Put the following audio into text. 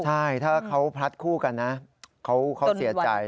ใช่ถ้าเขาพลัดคู่กันนะเขาเสียใจ